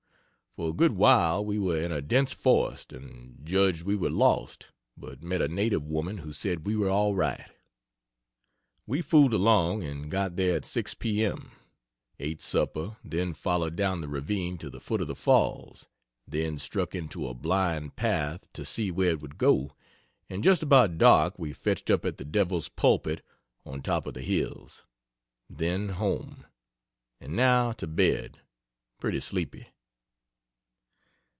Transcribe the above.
For a good while we were in a dense forest and judged we were lost, but met a native women who said we were all right. We fooled along and got there at 6 p.m. ate supper, then followed down the ravine to the foot of the falls, then struck into a blind path to see where it would go, and just about dark we fetched up at the Devil's Pulpit on top of the hills. Then home. And now to bed, pretty sleepy.